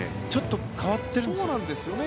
ちょっと変わってるんです。